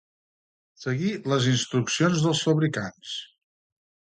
Seguir les instruccions dels fabricants